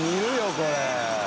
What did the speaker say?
これ。）